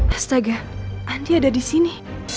astaga andi ada disini